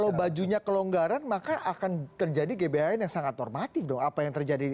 kalau bajunya kelonggaran maka akan terjadi gbhn yang sangat normatif dong apa yang terjadi